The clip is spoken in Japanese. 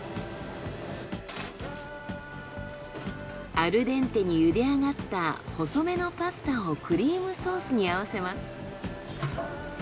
アルデンテに茹で上がった細めのパスタをクリームソースに合わせます。